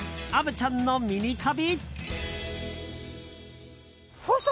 虻ちゃんのミニ旅。